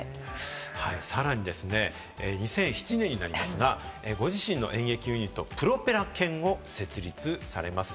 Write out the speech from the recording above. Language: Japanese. さらにですね、２００７年になりますが、ご自身の演劇ユニット・プロペラ犬を設立されます。